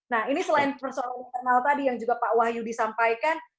nah ini selain persoalan internal tadi yang juga pak wahyu disampaikan